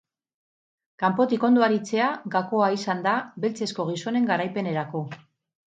Kanpotik ondo aritzea gakoa izan da beltzezko gizonen garaipenarako.